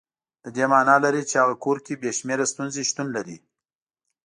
د دې معنا لري چې هغه کور کې بې شمېره ستونزې شتون لري.